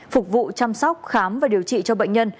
phục vụ chăm sóc khám và điều trị cho bệnh nhân